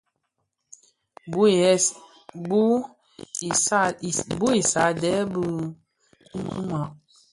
Bu i sààdee bi kikumàg.